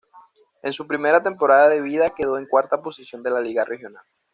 En su primera temporada de vida quedó en cuarta posición de la liga regional.